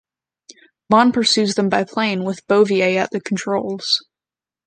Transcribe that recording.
Bond pursues them by plane, with Bouvier at the controls.